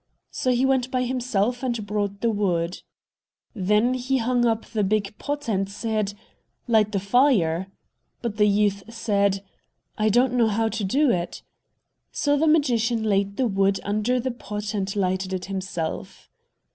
So he went by himself and brought the wood. Then he hung up the big pot and said, "Light the fire;" but the youth said, "I don't know how to do it." So the magician laid the wood under the pot and lighted it himself.